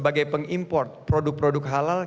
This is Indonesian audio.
sebagai pengimport produk produk halal